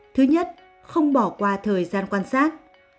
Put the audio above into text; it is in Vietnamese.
thứ nhất không bỏ qua thời gian quan sát